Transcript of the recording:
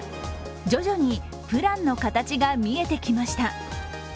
徐々にプランの形が見えてきました。